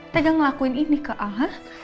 tegak ngelakuin ini ke a ha